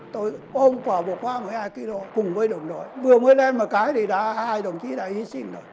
tôi ôm quả bột phá một mươi hai kg cùng với đồng đội vừa mới lên một cái thì đã hai đồng chí đã y sinh rồi